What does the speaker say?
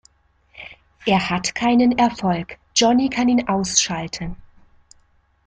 Er hat keinen Erfolg; Johnny kann ihn ausschalten.